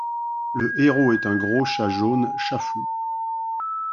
Le héros est un gros chat jaune, Chaffoux.